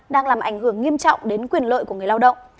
đang làm ảnh hưởng nghiêm trọng đến quyền lợi của người lao động